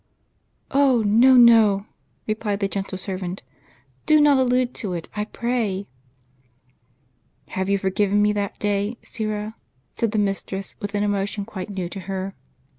" Oh, no, no !" replied the gentle servant ;" do not allude to it, I pray !" "Have you forgiven me that day, Syra?" said the mis tress, with an emotion quite new to her.